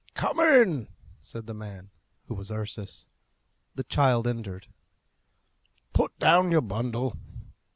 "Come in!" said the man, who was Ursus. The child entered. "Put down your bundle."